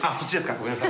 ごめんなさい。